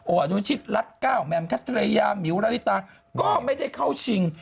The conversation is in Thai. โออาโนชิดลัดเก้าแมมคัตเตรยามิวราฤตาก็ไม่ได้เข้าชิง